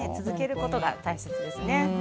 続けることが大切ですね。